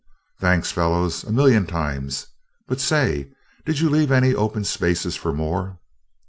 Thanks, fellows, a million times but say, did you leave any open spaces for more?